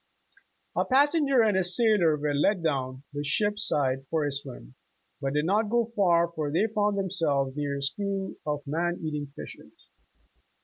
'' A passenger and a sailor were let down the ship's side for a swim, but did not go far, for they found themselves near a school of man eating fishes.